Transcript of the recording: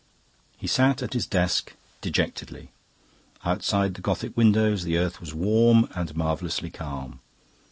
He sat at his desk dejectedly. Outside the Gothic windows the earth was warm and marvellously calm.